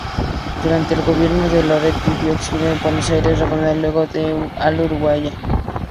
Durante el gobierno de Latorre vivió exiliado en Buenos Aires, retornando luego al Uruguay.